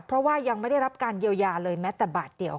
เพราะว่ายังไม่ได้รับการเยียวยาเลยแม้แต่บาทเดียว